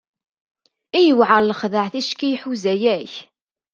I yewɛer lexdeɛ ticki iḥuz-ak!